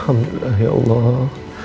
selamat tinggal anak anak